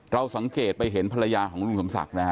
เราสังเกตไปเห็นภรรยาของลุงสมศักดิ์นะฮะ